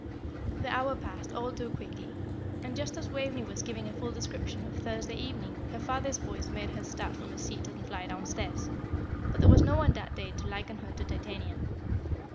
The hour passed all too quickly, and just as Waveney was giving a full description of Thursday evening her father's voice made her start from her seat and fly downstairs; but there was no one that day to liken her to Titania.